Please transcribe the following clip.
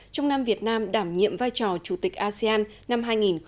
trong năm việt nam đảm nhiệm vai trò chủ tịch asean năm hai nghìn hai mươi